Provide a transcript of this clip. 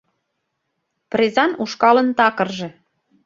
Презан ушкалын такырже.